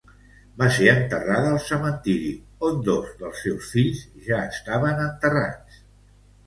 Va ser enterrada al cementiri on dos dels seus fills ja estaven enterrats.